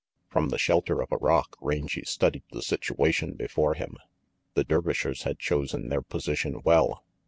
From the shelter of a rock, Rangy studied the situation before him. The Dervishers had chosen their position well.